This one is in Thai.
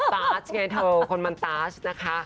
ตาชไงเถอะคนมันตาชนะคะ